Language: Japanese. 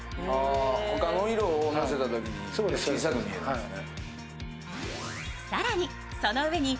他の色をのせたとき小さく見えるんですね。